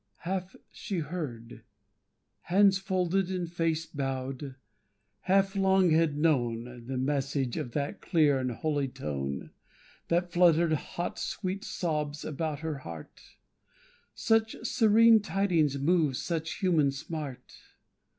Half she heard, Hands folded and face bowed, half long had known, The message of that clear and holy tone, That fluttered hot sweet sobs about her heart; Such serene tidings moved such human smart.